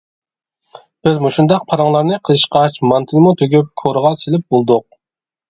بىز مۇشۇنداق پاراڭلارنى قىلىشقاچ مانتىنىمۇ تۈگۈپ كورىغا سېلىپ بولدۇق.